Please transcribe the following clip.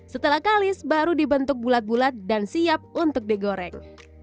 setelah kalis baru dibentuk bulat bulat dan siap untuk digoreng